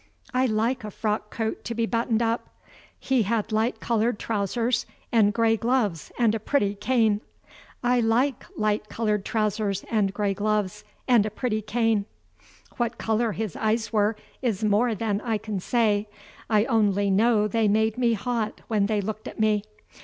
I like a frock coat to be buttoned up. He had light colored trousers and gray gloves and a pretty cane. I like light colored trousers and gray gloves and a pretty cane. What color his eyes were is more than I can say; I only know they made me hot when they looked at me.